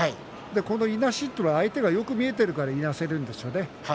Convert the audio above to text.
この、いなしというのは相手をよく見ているからいなせるんですよね。